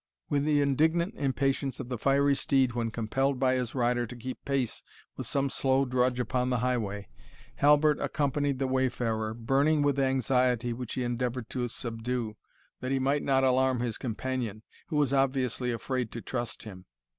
With the indignant impatience of the fiery steed when compelled by his rider to keep pace with some slow drudge upon the highway, Halbert accompanied the wayfarer, burning with anxiety which he endeavoured to subdue, that he might not alarm his companion, who was obviously afraid to trust him.